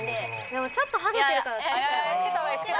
でもちょっとハゲてるから。